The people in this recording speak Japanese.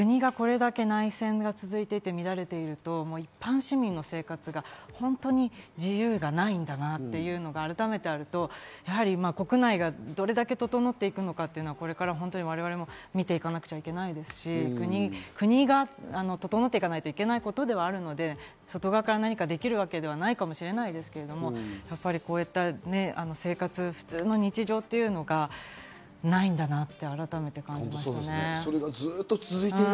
国が、これだけ内戦が続いて乱れていると、一般市民の生活が本当に自由がないんだなと改めて思ったのと、国内がどれだけ整っていくのかをこれから我々も見ていかなきゃいけないですし、国が整っていかなければいけないことであるので、外側から何かできるわけではないかもしれないですが、普通の日常というのがないんだなって改めて感じました。